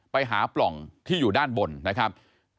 ไปหาปล่องที่อยู่ด้านบนนะครับ